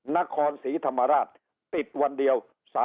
นครศรีธรรมราชติดวันเดียว